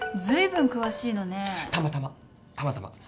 たまたまたまたま。